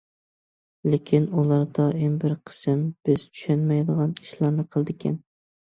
لېكىن ئۇلار دائىم بىر قىسىم بىز چۈشەنمەيدىغان ئىشلارنى قىلىدىكەن.